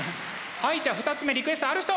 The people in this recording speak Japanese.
はいじゃあ２つ目リクエストある人？